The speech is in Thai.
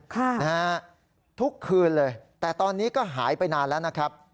ค่ะนะฮะทุกคืนเลยแต่ตอนนี้ก็หายไปนานแล้วนะครับ